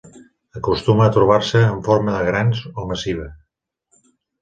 Acostuma a trobar-se en forma de grans o massiva.